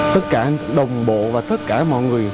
tất cả đồng bộ và tất cả mọi người